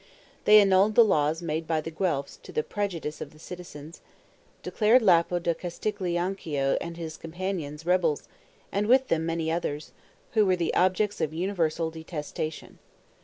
They annulled the laws made by the Guelphs to the prejudice of the citizens; declared Lapo da Castiglionchio and his companions, rebels, and with them many others, who were the objects of universal detestation.